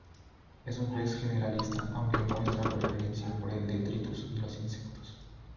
Es un pez generalista aunque muestra preferencia por el detritus y los insectos.